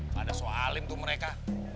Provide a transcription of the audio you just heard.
pada soalin tuh mereka